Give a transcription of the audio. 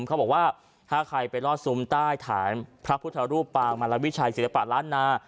เขาบอกว่าถ้าใครไปรอดซุ้มใต้ฐานพระพุทธรูปปางมารวิชัยศิลปะล้านนา